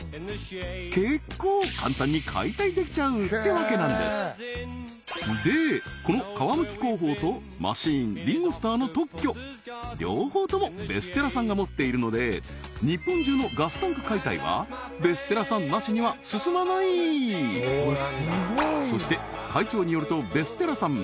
結構簡単に解体できちゃうってわけなんですでこの皮むき工法とマシンりんご☆スターの特許両方ともベステラさんが持っているので日本中のガスタンク解体はベステラさんなしには進まないそして会長によるとベステラさん